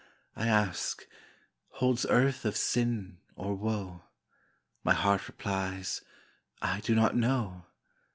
I ask, "Holds earth of sin, or woe?" My heart replies, "I do not know."